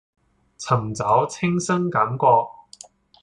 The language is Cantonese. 尋找清新感覺